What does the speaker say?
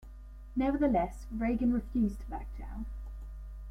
Nevertheless, Reagan refused to back down.